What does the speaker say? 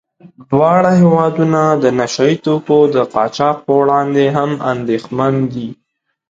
دواړه هېوادونه د نشه يي توکو د قاچاق په وړاندې هم اندېښمن دي.